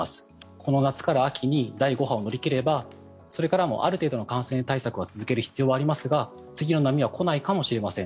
この夏から秋に第５波を乗り切ればこれからもある程度の感染対策は続ける必要はありますが次の波は来ないかもしれません。